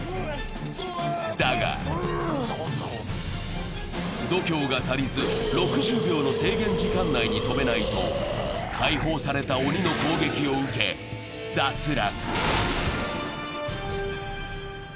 だが度胸が足りず６０秒の制限時間内に飛べないと解放された鬼の攻撃を受け、脱落。